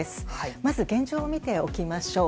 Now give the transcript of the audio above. まず現状を見ておきましょう。